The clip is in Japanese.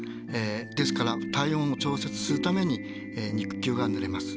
ですから体温を調節するために肉球がぬれます。